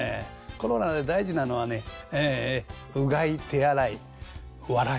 コロナで大事なのはねええうがい手洗い笑い。